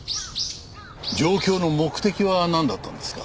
上京の目的はなんだったんですか？